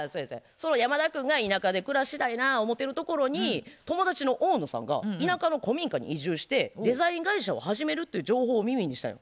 その山田君が田舎で暮らしたいな思てるところに友達の大野さんが田舎の古民家に移住してデザイン会社を始めるという情報を耳にしたんよ。